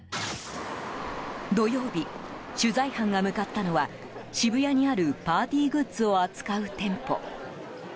土曜日、取材班が向かったのは渋谷にあるパーティーグッズを扱う店舗。